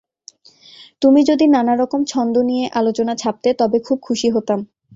তুমি যদি নানা রকম ছন্দ নিয়ে আলোচনা ছাপতে, তবে খুব খুশি হতাম।